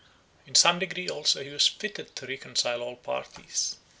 In some degree also he was fitted to reconcile all parties.